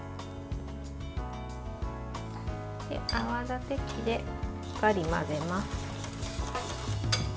泡立て器で、しっかり混ぜます。